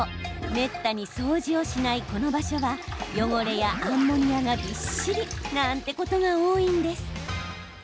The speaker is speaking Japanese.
めったに掃除をしないこの場所は汚れやアンモニアがびっしりなんてことが多いんです。